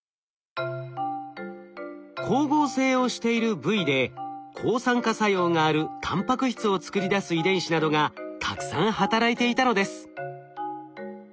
光合成をしている部位で抗酸化作用があるタンパク質を作り出す遺伝子などがたくさん働いていたのです。